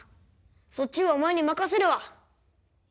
そっちはお前に任せるわ。